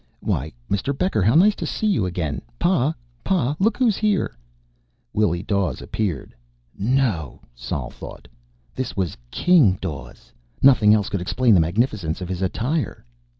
"Why, Mr. Becker! How nice to see you again! Pa! Pa! Look who's here!" Willie Dawes appeared. No! Sol thought. This was King Dawes; nothing else could explain the magnificence of his attire.